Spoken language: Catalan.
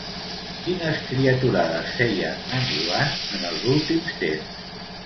Quines criaturades feia, en Joan, en els últims temps?